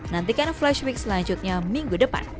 nantikan flash week selanjutnya minggu depan